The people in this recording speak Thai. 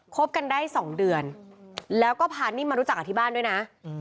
บกันได้๒เดือนแล้วก็พานิ่มมารู้จักกับที่บ้านด้วยนะ